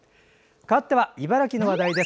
かわっては茨城の話題です。